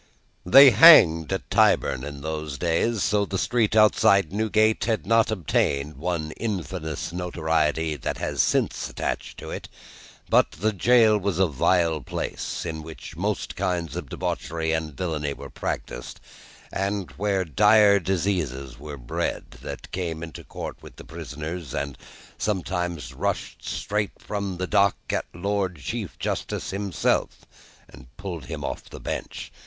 They hanged at Tyburn, in those days, so the street outside Newgate had not obtained one infamous notoriety that has since attached to it. But, the gaol was a vile place, in which most kinds of debauchery and villainy were practised, and where dire diseases were bred, that came into court with the prisoners, and sometimes rushed straight from the dock at my Lord Chief Justice himself, and pulled him off the bench.